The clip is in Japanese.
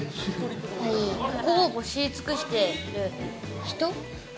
ここを知り尽くしてる人。